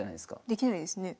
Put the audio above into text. できないですね。